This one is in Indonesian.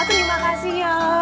terima kasih yuk